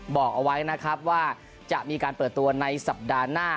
บอกเอาไว้นะครับว่าจะมีการเปิดตัวในสัปดาห์หน้า